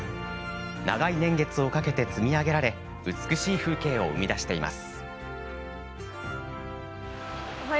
長い年月をかけて積み上げられ美しい風景を生み出しています。